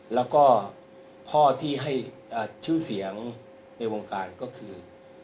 แล้วก็พ่อที่ให้ชื่อเสียงในวงการก็คือ